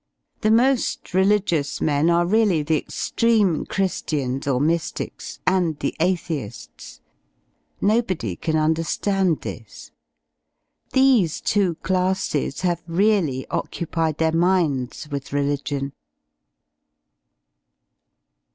The mo^ religious men are really the extreme Chri^ians or my^ics, and the athei^s — nobody can under^nd this. These two classes have really occupied their minds with ~ religion.